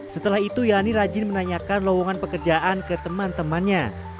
setelah itu yani rajin menanyakan lowongan pekerjaan ke teman temannya